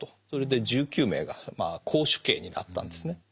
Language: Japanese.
それで１９名が絞首刑になったんですね。